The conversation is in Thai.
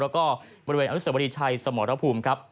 แล้วก็บริเวณอนุสาวริไทยสมรพูม